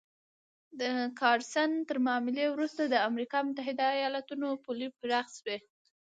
د ګاډسن تر معاملې وروسته د امریکا متحده ایالتونو پولې پراخې شوې.